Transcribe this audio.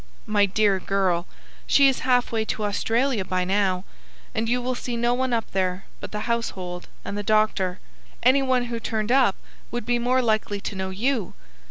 "My, dear girl, she is half way to Australia by now, and you will see no one up there but the household and the doctor. Any one who turned up would be more likely to know you.